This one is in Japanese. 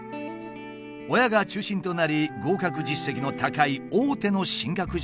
親が中心となり合格実績の高い大手の進学塾を選んだ。